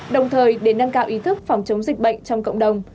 đồng thời để nâng cao ý thức phòng chống dịch bệnh trong cộng đồng